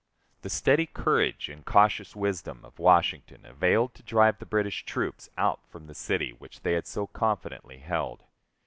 The steady courage and cautious wisdom of Washington availed to drive the British troops out from the city which they had so confidently held.